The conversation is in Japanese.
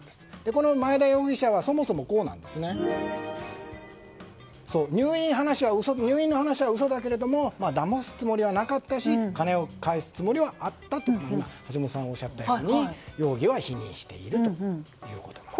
このマエダ容疑者はそもそも、こうなんですね。入院の話は嘘だけれどもだますつもりはなかったし金を返すつもりはあったと橋下さんが今、おっしゃったように容疑は否認しているということなんです。